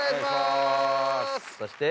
そして。